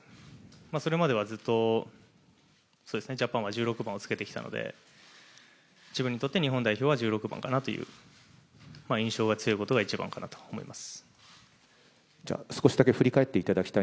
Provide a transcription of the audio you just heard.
それまではずっとジャパンは１６番をつけてきたので、自分にとって日本代表は１６番かなという印象が強いことが一番だと思います。